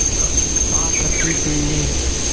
آن ٿڪي پئي ائين